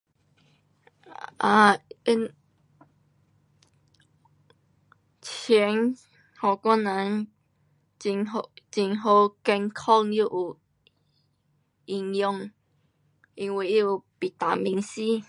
um 啊，um 橙，给我人很好，很好健康又有营养，因为它有 vitamin C